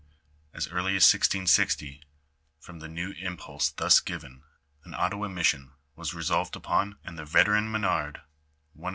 As early as 1660, from the new impulse thus given, an Ottawa mission was resolved upon, and the veteran Menard, one of tb.